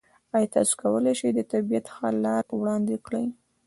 ایا تاسو کولی شئ د طبیعت ښه لار وړاندیز کړئ؟